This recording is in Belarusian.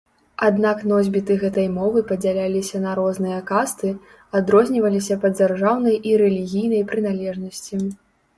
Аднак носьбіты гэтай мовы падзяляліся на розныя касты, адрозніваліся па дзяржаўнай і рэлігійнай прыналежнасці.